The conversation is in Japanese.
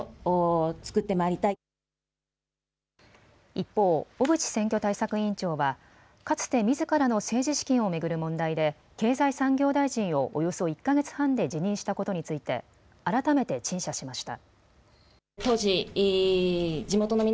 一方、小渕選挙対策委員長はかつてみずからの政治資金を巡る問題で経済産業大臣をおよそ１か月半で辞任したことについて改めて陳謝しました。